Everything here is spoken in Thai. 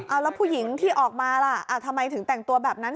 เอาแล้วผู้หญิงที่ออกมาล่ะทำไมถึงแต่งตัวแบบนั้น